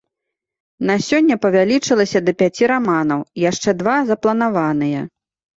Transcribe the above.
На сёння павялічылася да пяці раманаў, яшчэ два запланаваныя.